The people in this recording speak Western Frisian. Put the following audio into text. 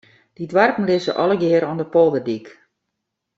Dy doarpen lizze allegear oan de polderdyk.